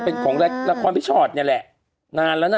ววเป็นของหลักภัยที่ถอดนี่แหละนานแล้วนะ